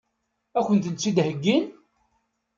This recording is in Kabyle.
Ad kent-ten-id-heggin?